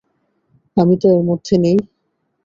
আমি তো এর মধ্যে নেই।